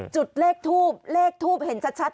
จุดเลขทูบเลขทูบเห็นชัด